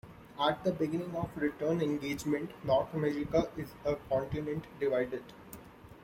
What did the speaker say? At the beginning of "Return Engagement", North America is a continent divided.